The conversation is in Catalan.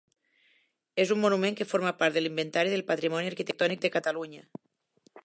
És un monument que forma part de l'Inventari del Patrimoni Arquitectònic de Catalunya.